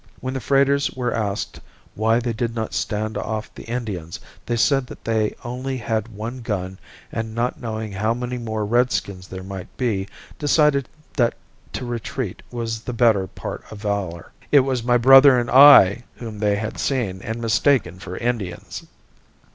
When the freighters were asked why they did not stand off the Indians they said that they only had one gun and not knowing how many more redskins there might be decided that to retreat was the better part of valor. It was my brother and I whom they had seen and mistaken for Indians.